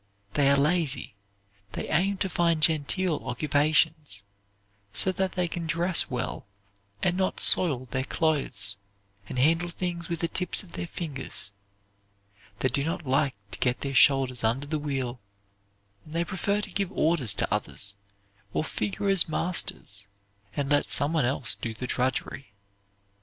They are lazy. They aim to find genteel occupations, so that they can dress well, and not soil their clothes, and handle things with the tips of their fingers. They do not like to get their shoulders under the wheel, and they prefer to give orders to others, or figure as masters, and let some one else do the drudgery.